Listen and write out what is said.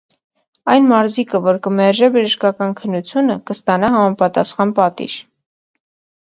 Այն մարզիկը, որ կը մերժէ բժշկական քննութիւնը, կը ստանայ համապատասխան պատիժ։